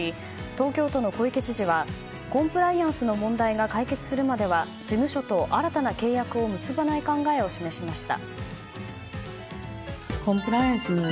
東京都の小池知事はコンプライアンスの問題が解決するまでは事務所と新たな契約を結ばない考えを示しました。